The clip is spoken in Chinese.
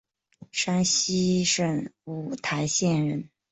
山西省五台县人。